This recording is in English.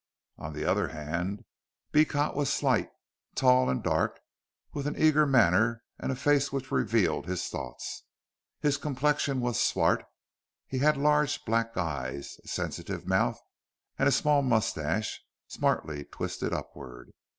On the other hand, Beecot was slight, tall and dark, with an eager manner and a face which revealed his thoughts. His complexion was swart; he had large black eyes, a sensitive mouth, and a small moustache smartly twisted upward.